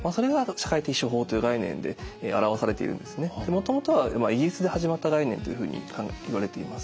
もともとはイギリスで始まった概念というふうにいわれています。